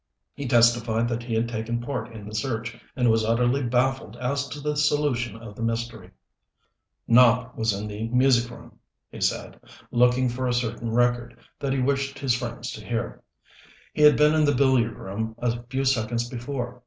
He testified that he had taken part in the search, and was utterly baffled as to the solution of the mystery. Nopp was in the music room, he said, looking for a certain record that he wished his friends to hear. He had been in the billiard room a few seconds before.